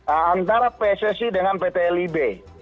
antara pssi dengan pt lib